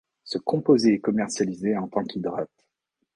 Ce composé est commercialisé en tant qu'hydrate.